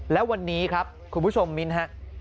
และวันนี้ครับคุณผู้ชมมิ้นฮะ